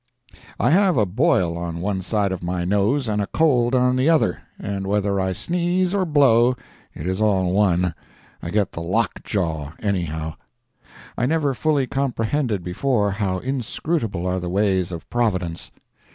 I have a boil on one side of my nose and a cold on the other, and whether I sneeze or blow it is all one; I get the lockjaw anyhow. I never fully comprehended before how inscrutable are the ways of Providence.